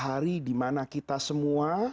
hari dimana kita semua